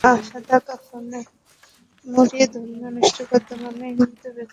সাদা কাফনে মুড়িয়ে ধর্মীয় আনুষ্ঠানিকতা মেনেই মৃত ব্যক্তিদের দাফন করা হয়েছে।